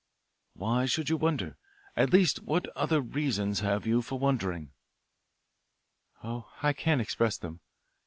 "Why should you wonder at least what other reasons have you for wondering?" "Oh, I can't express them.